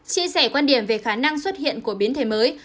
chia sẻ quan điểm về khả năng xuất hiện của biến thể mới